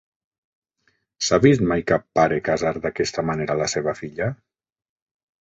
S'ha vist mai cap pare casar d'aquesta manera la seva filla?